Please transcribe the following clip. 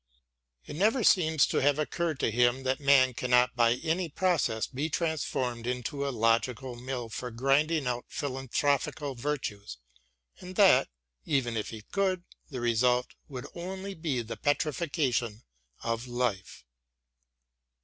It never seems to have occurred to him that man cannot by any process be transformed into a logical mill for grinding out philanthropical virtues, and that, even if he could, the result would only be the petrification of life.